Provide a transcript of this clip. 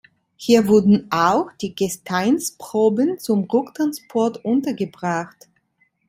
Hier wurden auch die Gesteinsproben zum Rücktransport untergebracht.